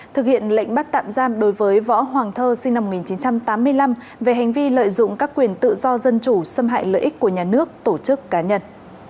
thực hiện lệnh bắt tạm giam đối với võ hoàng thơ sinh năm một nghìn chín trăm tám mươi năm về hành vi lợi dụng các quyền tự do dân chủ xâm hại lợi ích của nhà nước tổ chức cá nhân